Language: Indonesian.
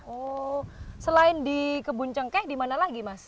oh selain di kebun cengkeh di mana lagi mas